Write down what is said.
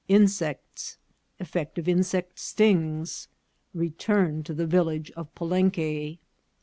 — Insects. — Effect of Insect Stings.— Return to the Village of Palenque.